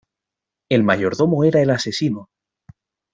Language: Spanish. El mayordomo era el asesino.